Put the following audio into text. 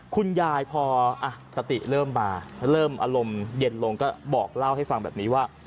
คุณยายพอสติเริ่มมาเริ่มอารมณ์เย็นลงก็บอกเล่าให้ฟังแบบนี้ว่า